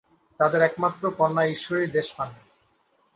তাঁদের একমাত্র কন্যা ঈশ্বরী দেশপাণ্ডে।